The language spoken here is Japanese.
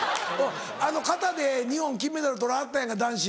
形で日本金メダル取らはったやんか男子で。